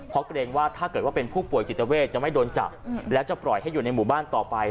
เพราะเกรงว่าถ้าเกิดว่าเป็นผู้ป่วยจิตเวทจะไม่โดนจับแล้วจะปล่อยให้อยู่ในหมู่บ้านต่อไป